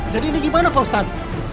jadi ini gimana pak ustadz